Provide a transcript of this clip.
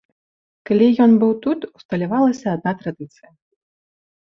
Калі ён быў тут, усталявалася адна традыцыя.